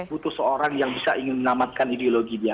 butuh seorang yang bisa menamatkan ideologi dia